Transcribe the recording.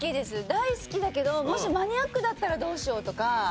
大好きだけどもしマニアックだったらどうしようとか。